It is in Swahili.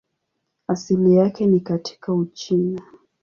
Asili yake ni katika Uchina.